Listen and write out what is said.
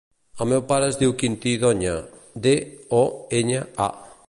El meu pare es diu Quintí Doña: de, o, enya, a.